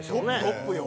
トップよ。